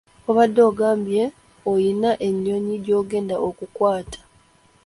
Wabadde ogambye oyina ennyonyi gy'ogenda okukwata!